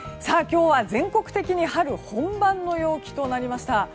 今日は全国的に春本番の陽気となりました。